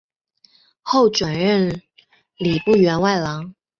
后转任礼部员外郎。